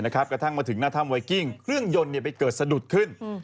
กระทั่งมาถึงหน้าถ้ำไวกิ้งเครื่องยนต์ไปเกิดสะดุดขึ้น